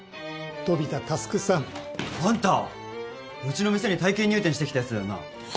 飛田匡さん。あんたうちの店に体験入店してきたやつだよな？